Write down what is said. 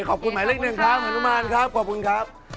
ขอบคุณหมายเลขหนึ่งครับฮานุมานครับขอบคุณครับ